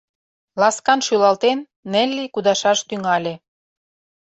Ласкан шӱлалтен, Нелли кудашаш тӱҥале.